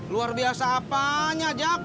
luar biasa apanya jak